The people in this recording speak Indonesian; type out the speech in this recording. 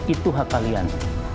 itu hak kalian